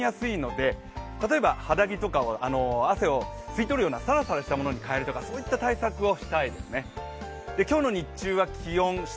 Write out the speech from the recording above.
ジメジメと汗ばみやすいので、例えば肌着とか汗を吸い取るようなさらさらしたものに変えるとかそういった対策をしたいですね。